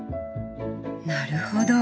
なるほど。